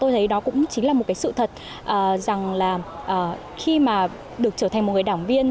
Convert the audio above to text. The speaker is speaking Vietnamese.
tôi thấy đó cũng chính là một cái sự thật rằng là khi mà được trở thành một người đảng viên